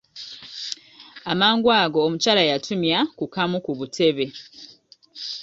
Amangu ago omukyala yatumya ku kamu ku butebe.